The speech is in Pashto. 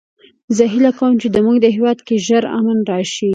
زه هیله کوم چې د مونږ هیواد کې ژر امن راشي